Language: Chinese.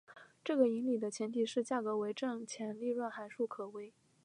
这个引理的前提是价格为正且利润函数可微。